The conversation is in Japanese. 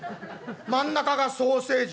真ん中がソーセージ」。